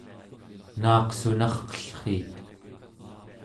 naaqsunarqellriit